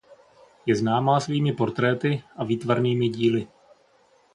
Je známá svými portréty a výtvarnými díly.